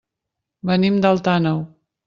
Venim d'Alt Àneu.